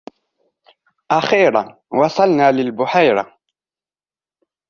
أخيراً وصلنا للبحيرة.